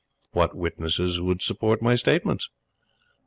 What witnesses would support my statements?